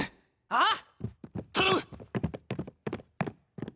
あっ。